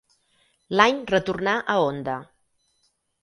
L'any retornà a Honda.